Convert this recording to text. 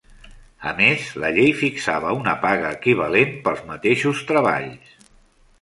A més, la llei fixava una paga equivalent pels mateixos treballs.